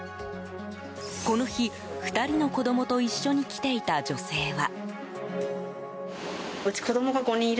この日、２人の子供と一緒に来ていた女性は。